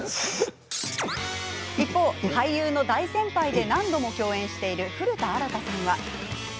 一方、俳優の大先輩で何度も共演している古田新太さんは。